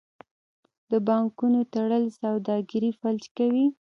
د بانکونو تړل سوداګري فلج کوي.